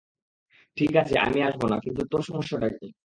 ঠিক আছে আমি আসব না, কিন্তু তোর সমস্যাটা কি?